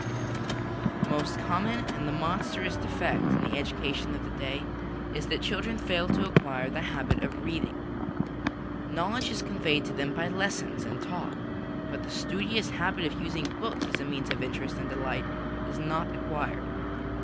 The most common and the monstrous defect in the education of the day is that children fail to acquire the habit of reading. Knowledge is conveyed to them by lessons and talk, but the studious habit of using books as a means of interest and delight is not acquired.